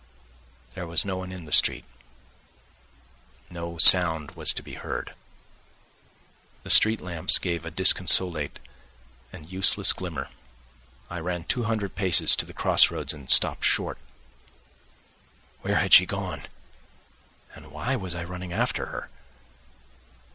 There was no one in the street, no sound was to be heard. The street lamps gave a disconsolate and useless glimmer. I ran two hundred paces to the cross roads and stopped short. Where had she gone? And why was I running after her?